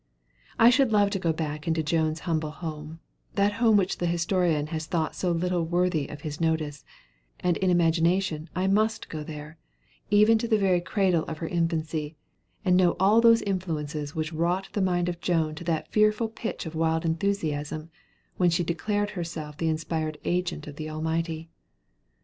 I should love to go back into Joan's humble home that home which the historian has thought so little worthy of his notice; and in imagination I must go there, even to the very cradle of her infancy, and know of all those influences which wrought the mind of Joan to that fearful pitch of wild enthusiasm, when she declared herself the inspired agent of the Almighty.